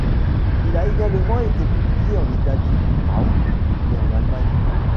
Il a également été publié en Italie, à Hong-Kong et en Allemagne.